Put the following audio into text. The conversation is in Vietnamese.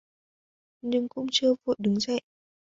Nhưng cũng chưa vội đứng dậy